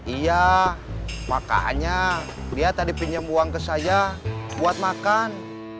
iya makanya dia tadi pinjam uang ke saya buat makan